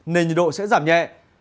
nên nhiệt độ sẽ giảm nhẹ